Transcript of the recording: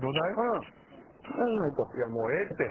いやもうええって。